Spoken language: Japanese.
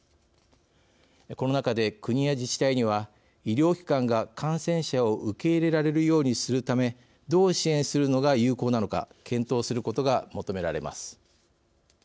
この中で、国や自治体には医療機関が感染者を受け入れられるようにするためどう支援するのが有効なのか検討することが求められます。